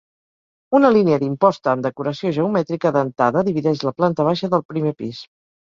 Una línia d'imposta amb decoració geomètrica dentada divideix la planta baixa del primer pis.